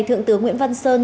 thượng tướng nguyễn văn sơn